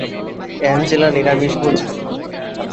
Angela নিরামিষভোজী।